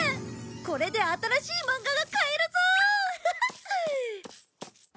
これで新しいマンガが買えるぞ！